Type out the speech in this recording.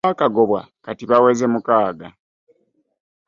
Abaakagobwa kati baweze mukaaga.